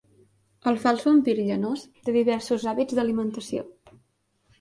El fals vampir llanós té diversos hàbits d'alimentació.